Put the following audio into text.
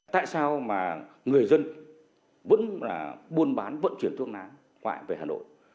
tại sao mà người dân vẫn buôn bán vận chuyển thuốc lá ngoại về hà nội